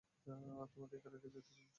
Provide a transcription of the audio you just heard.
তোমাকে একা রেখে যেতে বলছো?